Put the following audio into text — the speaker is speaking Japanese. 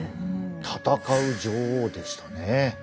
戦う女王でしたね。